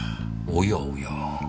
おやおや。